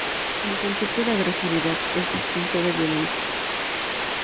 El concepto de agresividad es distinto de violencia.